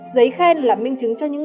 giấy khen là minh chứng cho những